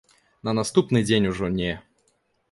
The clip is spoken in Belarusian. На наступны дзень ужо не.